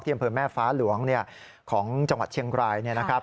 อำเภอแม่ฟ้าหลวงของจังหวัดเชียงรายเนี่ยนะครับ